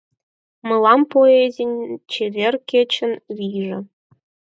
Мылам поэзий — чевер кечын вийже.